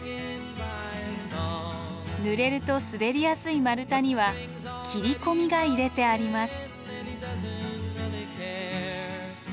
ぬれると滑りやすい丸太には切り込みが入れてあります。